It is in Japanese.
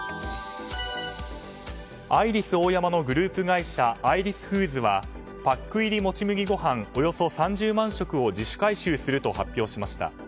アイリスオーヤマのグループ会社アイリスフーズはパック入りもち麦ごはんおよそ３０万食を自主回収すると発表しました。